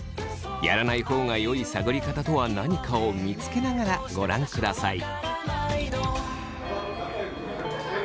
やらない方がよい探り方とは何かを見つけながらご覧ください。